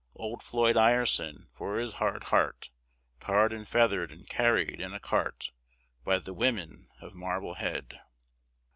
Old Floyd Ireson, for his hard heart, Tarred and feathered and carried in a cart By the women of Marblehead!